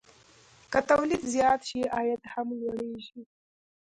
که تولید زیات شي، عاید هم لوړېږي.